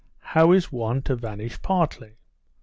"How is one to vanish partly?"